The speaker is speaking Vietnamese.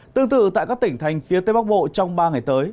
tương tự tại các tỉnh thành phía tây bắc bộ trong ba ngày tới